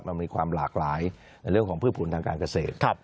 มันมีความหลากหลายในเรื่องของพืชผลทางการเกษตร